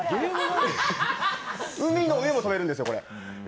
海の上も飛べるんです。